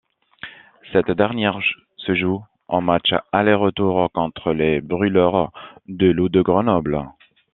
Cette dernière se joue en match aller-retour contre les Brûleurs de Loups de Grenoble.